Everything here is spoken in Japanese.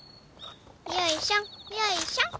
よいしょよいしょ。